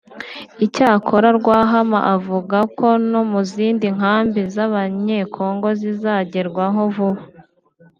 icyakora Rwahama avuga ko no mu zindi nkambi z’Abanye-Congo zizagerwaho vuba